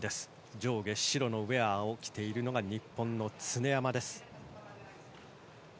上下白のウェアを着ているのが日本の常山です。